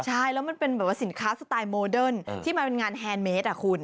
ใช่แล้วมันเป็นแบบว่าสินค้าสไตล์โมเดิร์นที่มันเป็นงานแฮนดเมสอ่ะคุณ